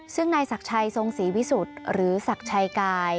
ซึ่งนายศักดิ์ชัยทรงศรีวิสุทธิ์หรือศักดิ์ชัยกาย